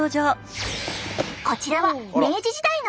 こちらは明治時代の方！